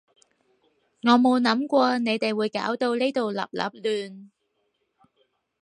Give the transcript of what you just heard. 我冇諗過你哋會搞到呢度笠笠亂